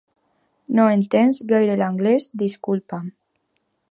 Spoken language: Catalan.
No entens gaire l'anglés, disculpa'm.